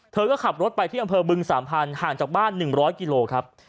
เธอก็ขับรถไปที่อำเภอบึง๓๐๐ห่างจากบ้าน๑๐๐กิโลครับ